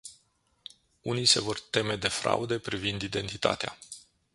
Unii se vor teme de fraude privind identitatea.